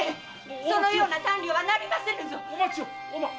そのような短慮はなりませぬぞ！